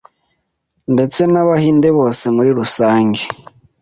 ndetse n’abahinde bose muri rusange.